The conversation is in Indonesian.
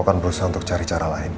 aku kan berusaha untuk cari cara lain ma